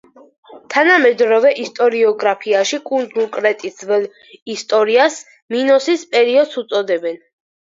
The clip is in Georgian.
თანამედროვე ისტორიოგრაფიაში კუნძულ კრეტის ძველ ისტორიას მინოსის პერიოდს უწოდებენ.